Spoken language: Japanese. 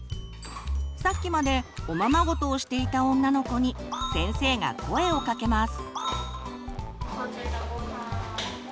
さっきまでおままごとをしていた女の子に先生が声をかけます。